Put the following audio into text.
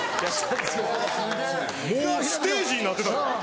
もうステージになってた。